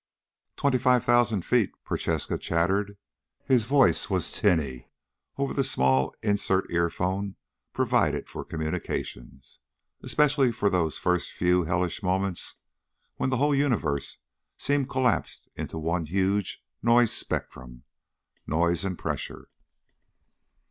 "Twenty five thousand feet," Prochaska chattered. His voice was tinny over the small insert earphone provided for communications, especially for those first few hellish moments when the whole universe seemed collapsed into one huge noise spectrum. Noise and pressure.